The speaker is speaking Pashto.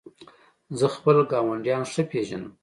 زه خپل ګاونډیان ښه پېژنم.